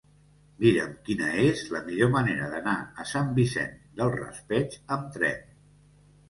Mira'm quina és la millor manera d'anar a Sant Vicent del Raspeig amb tren.